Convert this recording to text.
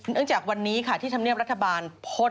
เนื่องจากวันนี้ค่ะที่ธรรมเนียมรัฐบาล